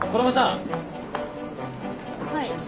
はい。